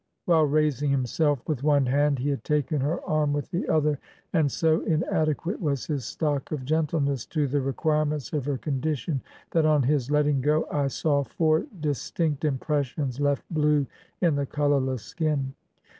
..^ While raising himself with one hand, he had taken her arm with the other; and so inadequate was his stock of gentleness to the re quirements of her condition, that on his letting go I saw four distinct impressions left blue in the colorless skin.